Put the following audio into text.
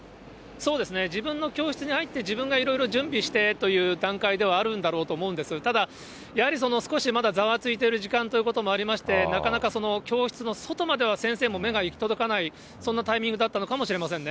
そうですね、自分の教室に入って、自分がいろいろ準備してという段階ではあるんだろうと思うんですが、ただ、やはり少しまだざわついている時間ということもありまして、なかなか教室の外までは先生も目が行き届かない、そんなタイミングだったのかもしれませんね。